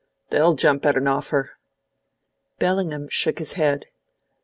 "They'll jump at an offer." Bellingham shook his head.